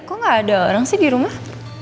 kok gak ada orang sih di rumah